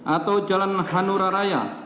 atau jalan hanura raya